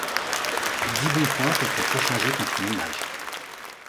Dix bons points peuvent être échangés contre une image.